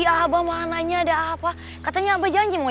iya abang mananya ada apa katanya abang janji mau